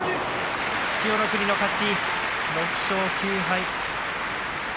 首投げ、千代の国の勝ち６勝９敗。